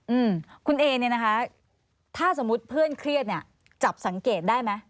อืมคุณเอเนี่ยนะคะถ้าสมมุติเพื่อนเครียดเนี้ยจับสังเกตได้ไหม